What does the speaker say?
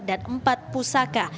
dan empat pusaka